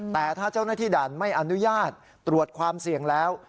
แต่ถ้าเจ้าหน้าที่ด่านไม่อนุญาตตรวจความเสี่ยงแล้ว